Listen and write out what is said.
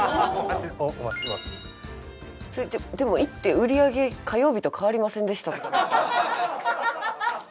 でも行って売り上げ火曜日と変わりませんでしたとかって。